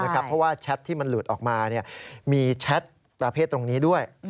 เพราะว่าแชทที่มันหลุดออกมามีแชทประเภทตรงนี้ด้วย